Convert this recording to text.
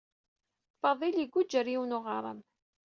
Fadil iguǧǧ ɣer yiwen n uɣaram.